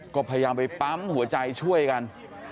ก็พยายามไปปั๊มหัวใจช่วยกัน